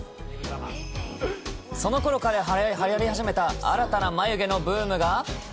そのころからはやり始めた新たな眉毛のブームが。